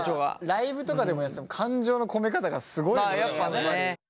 ライブとかでもやってても感情の込め方がすごいやっぱり。